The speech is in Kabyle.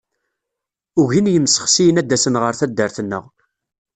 Ugin yimsexsiyen ad d-asen ɣer taddart-nneɣ.